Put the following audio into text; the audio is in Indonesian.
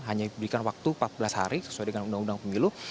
hanya diberikan waktu empat belas hari sesuai dengan undang undang pemilu